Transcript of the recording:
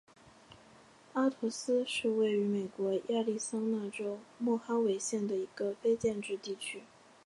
阿陀斯是位于美国亚利桑那州莫哈维县的一个非建制地区。